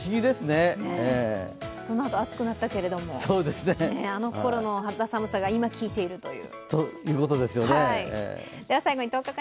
そのあと暑くなったけれども、あのころの肌寒さが今効いているという。